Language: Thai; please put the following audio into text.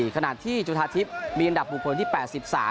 ขณะที่จุธาทิพย์มีอันดับบุคคลที่๘๓